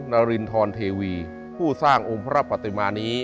นารินทรเทวีทรัพย์อร์ผู้สร้างองค์พระปฏิบาลนี้